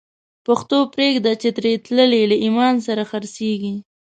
پښتو پریږده چی تری تللی، له ایمان سره خرڅیږی